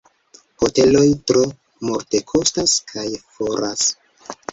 Hoteloj tro multekostas kaj foras.